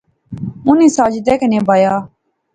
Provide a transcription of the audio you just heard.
اُنی ساجدے کنے بایا